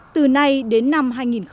từ nay đến năm hai nghìn ba mươi